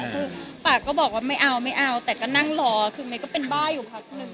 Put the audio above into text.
คือปากก็บอกว่าไม่เอาไม่เอาแต่ก็นั่งรอคือเมย์ก็เป็นบ้าอยู่พักหนึ่ง